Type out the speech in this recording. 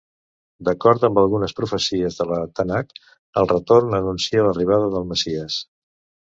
D'acord amb algunes profecies de la Tanakh, el retorn anuncia l'arribada del messies.